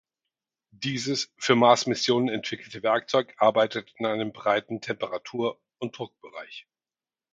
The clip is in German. Dieses für Marsmissionen entwickelte Werkzeug arbeitet in einem breiten Temperatur- und Druckbereich.